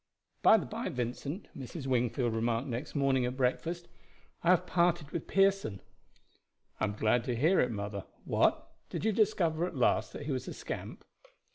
"By the by, Vincent," Mrs. Wingfield remarked next morning at breakfast, "I have parted with Pearson." "I am glad to hear it, mother. What! did you discover at last that he was a scamp?"